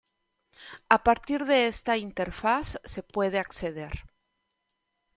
A partir de esta interfaz se puede acceder